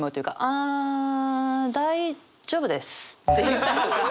「あ大丈夫です」って言ったりとか。